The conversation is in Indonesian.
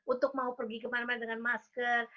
untuk mau pergi kemana mana dengan masker